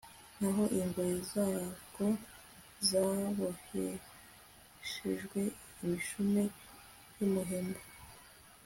naho ingoyi zabwo zaboheshejwe imishumi y'umuhemba